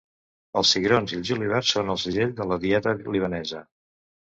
Els cigrons i el julivert són el segell de la dieta libanesa.